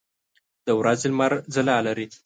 د ورځې لمر ځلا لري.